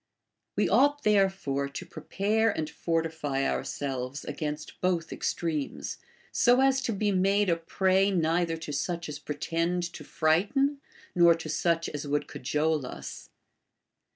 We ought therefore to prepare and fortify ourselves against both extremes, so as to be made a prey neither to such as pretend to frighten, nor to such as would cajole us.